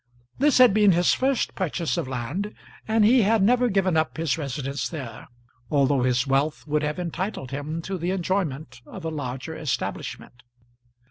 This had been his first purchase of land, and he had never given up his residence there, although his wealth would have entitled him to the enjoyment of a larger establishment.